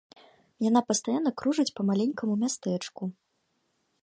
Яна пастаянна кружыць па маленькаму мястэчку.